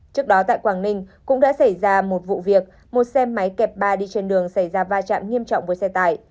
trước đó tại quảng ninh cũng đã xảy ra một vụ việc một xe máy kẹp ba đi trên đường xảy ra va chạm nghiêm trọng với xe tải